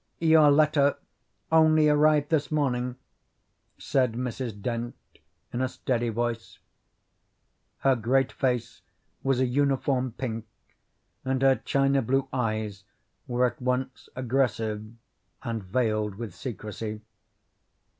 "Your letter only arrived this morning," said Mrs. Dent, in a steady voice. Her great face was a uniform pink, and her china blue eyes were at once aggressive and veiled with secrecy.